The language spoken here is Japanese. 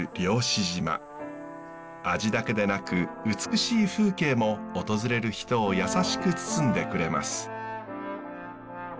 味だけでなく美しい風景も訪れる人を優しく包んでくれます。